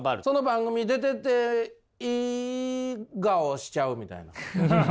その番組出てていい顔しちゃうみたいな。